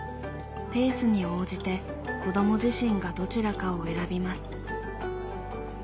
ペースに応じて子ども自身がどちらかを選びます。